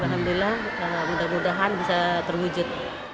alhamdulillah mudah mudahan bisa terwujud